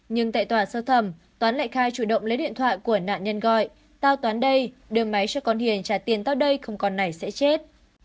nhưng tại tòa sơ thẩm toán lại khai chủ động lấy điện thoại của nạn nhân gọi tao toán đây đưa máy cho con hiền trả tiền tới đây không còn này sẽ chết